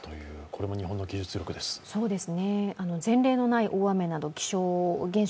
これも日本の技術力です。